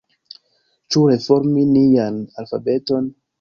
Ĉu reformi nian alfabeton?